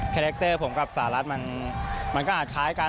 แรคเตอร์ผมกับสหรัฐมันก็อาจคล้ายกัน